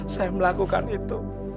saya melakukan itu